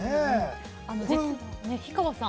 実は氷川さん